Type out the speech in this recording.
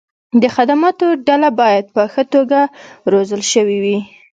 د خدماتو ډله باید په ښه توګه روزل شوې وي.